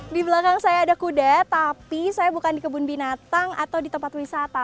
di belakang saya ada kuda tapi saya bukan di kebun binatang atau di tempat wisata